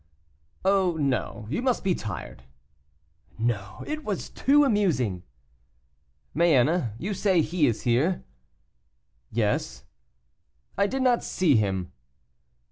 "Oh, no; you must be tired." "No; it was too amusing." "Mayenne, you say he is here?" "Yes." "I did not see him."